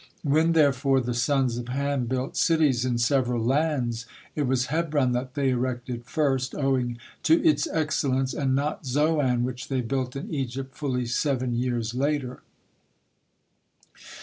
When, therefore, the sons of Ham built cities in several lands, it was Hebron that they erected first, owing to its excellence, and not Zoan, which they built in Egypt fully seven years later.